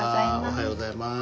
おはようございます。